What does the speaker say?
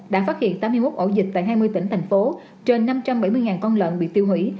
đã phát hiện tám mươi một ổ dịch tại hai mươi tỉnh thành phố trên năm trăm bảy mươi con lợn bị tiêu hủy